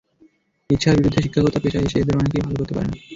ইচ্ছার বিরুদ্ধে শিক্ষকতা পেশায় এসে এঁদের অনেকেই ভালো করতে পারেন না।